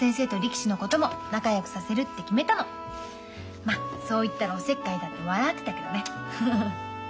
まそう言ったらおせっかいだって笑ってたけどねフフ。